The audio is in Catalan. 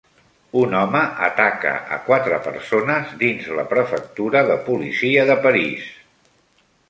Un home ataca a quatre persones dins la Prefectura de Policia de París